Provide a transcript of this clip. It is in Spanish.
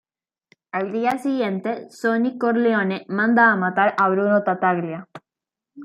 Al día siguiente Sony Corleone manda a matar a Bruno Tattaglia.